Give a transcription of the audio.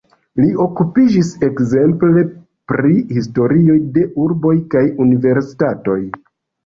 Li okupiĝis ekzemple pri historioj de urboj kaj universitatoj.